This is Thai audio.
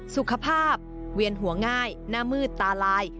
สุขภาพเวียนหัวง่ายหน้ามืดตาลาย